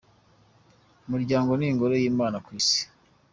Umuryango ni ingoro y'imana ku isi.